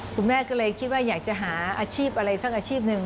คุณแม่ก็เลยคิดว่าอยากจะหาอาชีพอะไรสักอาชีพหนึ่ง